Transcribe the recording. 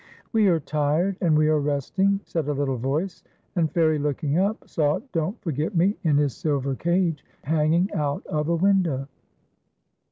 " We are tired, and we are resting," said a little voice, and Fairie, looking up, saw Don't Forget Me in his silver cage, hanging out of a window.